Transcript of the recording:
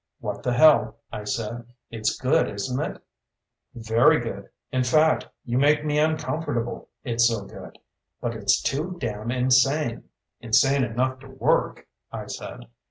"What the hell," I said. "It's good, isn't it?" "Very good. In fact, you make me uncomfortable, it's so good. But it's too damned insane." "Insane enough to work," I said.